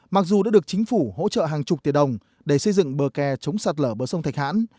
mặc dù đã được chính phủ hỗ trợ hàng chục tỷ đồng để xây dựng bờ kè chống sạt lở bờ sông thạch hãn